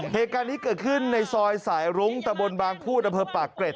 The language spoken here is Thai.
เหตุการณ์นี้เกิดขึ้นในซอยสายรุ้งตะบนบางพูดอำเภอปากเกร็ด